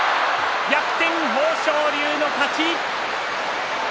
逆転、豊昇龍の勝ち。